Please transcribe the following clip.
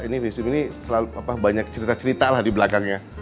ini visum ini selalu banyak cerita cerita lah di belakangnya